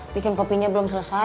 bikin kopinya belum selesai